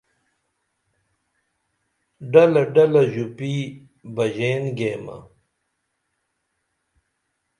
ڈلہ ڈلہ ژوپی بژین گیمہ